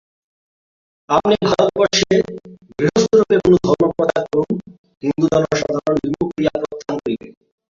আপনি ভারতবর্ষে গৃহস্থরূপে কোন ধর্ম প্রচার করুন, হিন্দু জনসাধারণ বিমুখ হইয়া প্রস্থান করিবে।